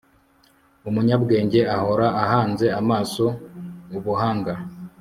umunyabwenge ahora ahanze amaso ubuhanga